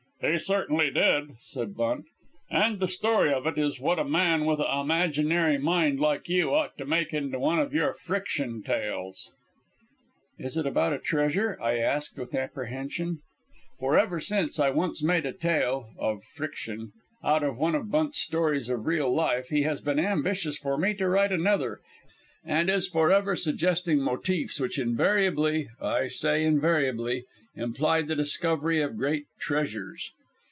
"He certainly did," said Bunt, "and the story of it is what a man with a' imaginary mind like you ought to make into one of your friction tales." "Is it about a treasure?" I asked with apprehension. For ever since I once made a tale (of friction) out of one of Bunt's stories of real life, he has been ambitious for me to write another, and is forever suggesting motifs which invariably I say invariably imply the discovery of great treasures.